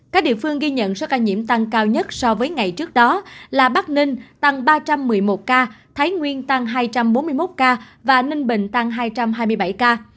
các địa phương ghi nhận số ca nhiễm tăng cao nhất so với ngày trước đó là bắc ninh tăng ba trăm một mươi một ca thái nguyên tăng hai trăm bốn mươi một ca và ninh bình tăng hai trăm hai mươi bảy ca